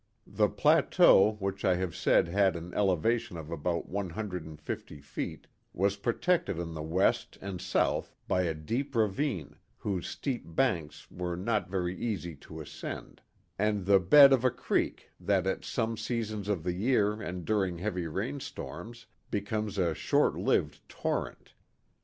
The plateau, which I have said had an elevation of about one hundred and fifty feet, was protected on the west and south by a deep ravine whose steep banks were not very easy to ascend, and the bed of a creek that at some seasons of the year and during heavy rainstorms becomes a short lived torrent.